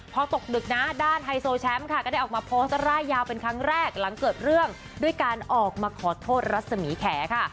พอตกดึกนะด้านไฮโซแชมป์ค่ะก็ได้ออกมาโพสต์ร่ายยาวเป็นครั้งแรกหลังเกิดเรื่องด้วยการออกมาขอโทษรัศมีแขค่ะ